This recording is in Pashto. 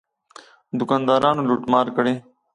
دوکاندارانو لوټ مار کړی.